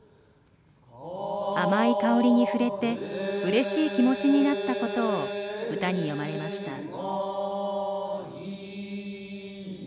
甘い香りに触れてうれしい気持ちになったことを歌に詠まれました。